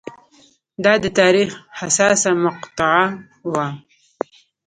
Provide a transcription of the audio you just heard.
دا د تاریخ حساسه مقطعه وه.